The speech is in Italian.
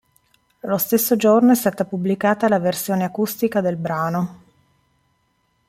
Lo stesso giorno è stata pubblicata la versione acustica del brano.